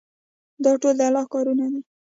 دا ټول د الله کارونه دي.